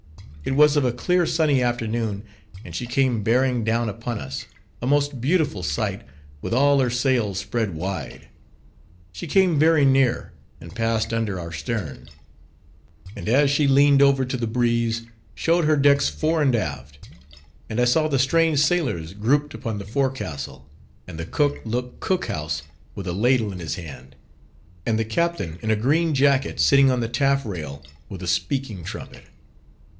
It was of a clear sunny afternoon, and she came bearing down upon us, a most beautiful sight, with all her sails spread wide. She came very near, and passed under our stern; and as she leaned over to the breeze, showed her decks fore and aft; and I saw the strange sailors grouped upon the forecastle, and the cook looking out of his cook house with a ladle in his hand, and the captain in a green jacket sitting on the taffrail with a speaking trumpet.